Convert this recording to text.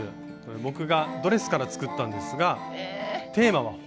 僕がドレスから作ったんですがテーマは「炎」。